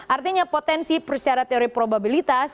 artinya potensi persyarat teori probabilitas